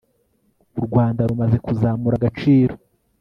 urwanda rumaze kuzamura agaciro